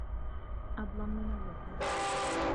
أظلم من الليل